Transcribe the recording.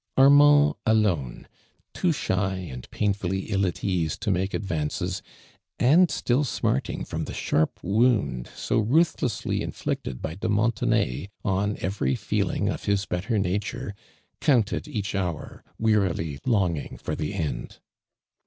Ar mand alone, too shy and painfully ill at ease to make advances, and siill smarting from the sharp wound so ruthlessly infiicted by de Montenay on every feeling of his better nature, counted each hour, wearily longing for the end.